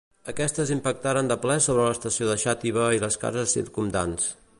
Aquestes impactaren de ple sobre l'estació de Xàtiva i les cases circumdants.